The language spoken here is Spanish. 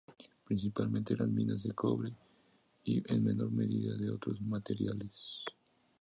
Principalmente eran minas de cobre y, en menor medida, de otros materiales.